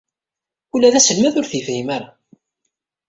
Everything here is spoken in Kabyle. Ula d aselmad-a ur t-yefhim ara.